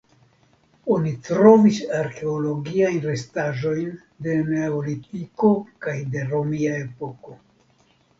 Oni trovis arkeologiajn restaĵojn de Neolitiko kaj de romia epoko.